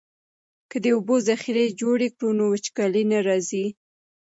که د اوبو ذخیرې جوړې کړو نو وچکالي نه راځي.